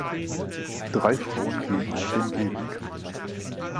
Drei Frauen gehen auf dem Gehweg.